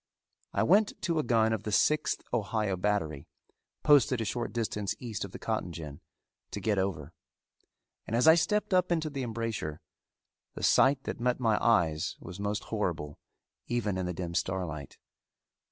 I went to a gun of the Sixth Ohio battery, posted a short distance east of the cotton gin, to get over; and as I stepped up into the embrasure, the sight that met my eyes was most horrible even in the dim starlight.